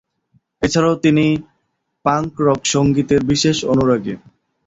এছাড়াও তিনি punk rock সঙ্গীতের বিশেষ অনুরাগী।